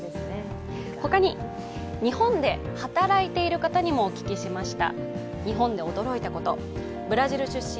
他に日本で働いている方にもお聞きしました。